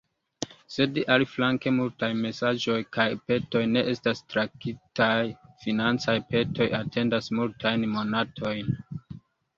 Sed aliflanke multaj mesaĝoj kaj petoj ne estas traktitaj, financaj petoj atendas multajn monatojn.